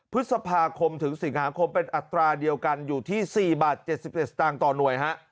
พฤษภาคมถึงสิงหาคมเป็นอัตราเดียวกันอยู่ที่๔บาท๗๑สตางค์ต่อหน่วยฮะ